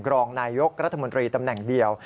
รองนายยกรัฐมนตรีตำแหน่งเดียว